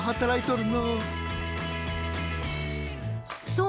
そう！